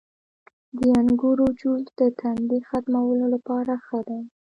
• د انګورو جوس د تندې ختمولو لپاره ښه دی.